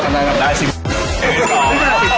จำได้หรอครับ